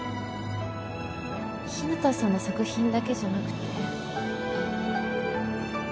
日向さんの作品だけじゃなくて